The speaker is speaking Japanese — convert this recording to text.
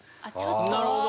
なるほど。